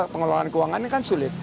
pengelolaan keuangan kan sulit